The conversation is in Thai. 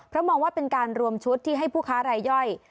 เพราะมองว่าเป็นการรวมชุดที่ให้ผู้ค้ารายย่อย